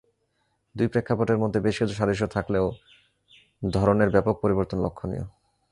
দুই প্রেক্ষাপটের মধ্যে বেশ কিছু সাদৃশ্য থাকলেও ধরনের ব্যাপক পরিবর্তন লক্ষণীয়।